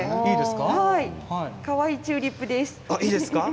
かわいいチューリップです。